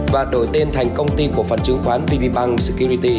và đổi tên thành công ty của phần chứng khoán vb bank